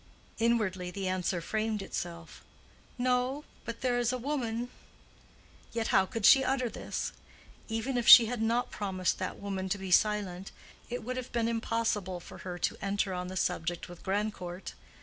Inwardly the answer framed itself. "No; but there is a woman." Yet how could she utter this? Even if she had not promised that woman to be silent, it would have been impossible for her to enter on the subject with Grandcourt.